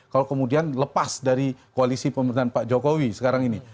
kalau kemudian lepas dari koalisi pemerintahan pak jokowi sekarang ini